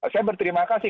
saya berterima kasih